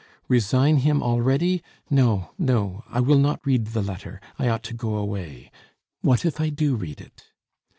"Resign him already? No, no! I will not read the letter. I ought to go away What if I do read it?"